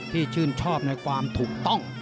ชื่นชอบในความถูกต้อง